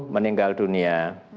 satu meninggal dunia